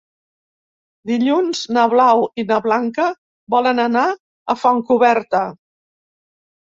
Dilluns na Blau i na Blanca volen anar a Fontcoberta.